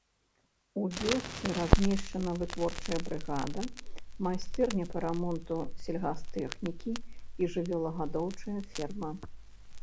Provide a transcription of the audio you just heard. У вёсцы размешчана вытворчая брыгада, майстэрня па рамонту сельгастэхнікі і жывёлагадоўчая ферма.